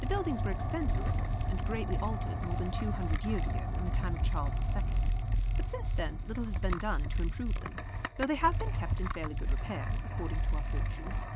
The buildings were extended a little and greatly altered more than two hundred years ago, in the time of Charles II., but since then little has been done to improve them, though they have been kept in fairly good repair, according to our fortunes.